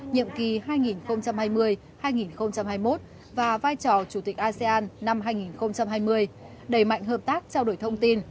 nhiệm kỳ hai nghìn hai mươi hai nghìn hai mươi một và vai trò chủ tịch asean năm hai nghìn hai mươi đẩy mạnh hợp tác trao đổi thông tin